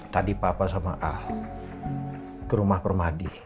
tadi papa sama ah ke rumah permadi